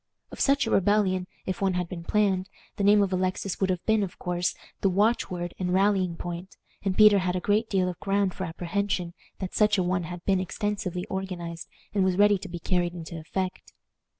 Of such a rebellion, if one had been planned, the name of Alexis would have been, of course, the watch word and rallying point, and Peter had a great deal of ground for apprehension that such a one had been extensively organized and was ready to be carried into effect.